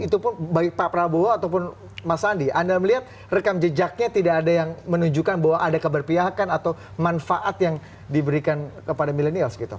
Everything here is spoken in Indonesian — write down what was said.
itu pun baik pak prabowo ataupun mas andi anda melihat rekam jejaknya tidak ada yang menunjukkan bahwa ada keberpihakan atau manfaat yang diberikan kepada milenials gitu